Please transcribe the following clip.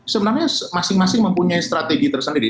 sebenarnya masing masing mempunyai strategi tersendiri